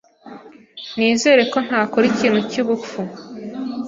Nizere ko ntakora ikintu cyubupfu.